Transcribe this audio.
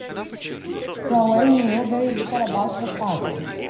Rowell knew very little about her father.